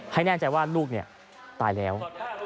แน่ใจว่าลูกตายแล้ว